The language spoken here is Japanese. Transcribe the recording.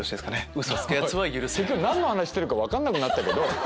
結局何の話をしてるか分かんなくなったけど。